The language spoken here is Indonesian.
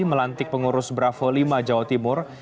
melantik pengurus bravo lima jawa timur